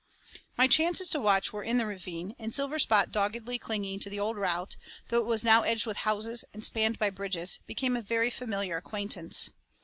My chances to watch were in the ravine, and Silverspot doggedly clinging to the old route, though now it was edged with houses and spanned by bridges, became a very familiar acquaintance.